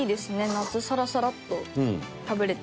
夏サラサラッと食べられて。